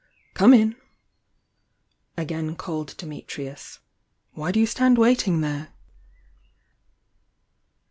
"Come in!" again called Dimitrius. "Why do you stand waiting there?"